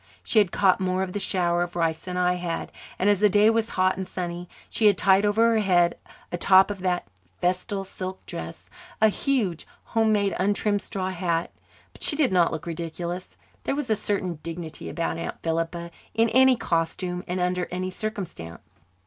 She had caught more of the shower of rice than I had, and as the day was hot and sunny she had tied over her head, atop of that festal silk dress, a huge, home made, untrimmed straw hat. But she did not look ridiculous. There was a certain dignity about Aunt Philippa in any costume and under any circumstance.